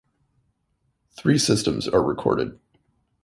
Three systems are recorded.